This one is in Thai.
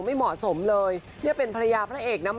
ไม่เหมาะสมเลยเนี่ยเป็นภรรยาพระเอกนะ